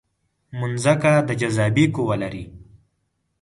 مځکه د جاذبې قوه لري.